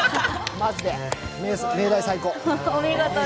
マジで明大最高！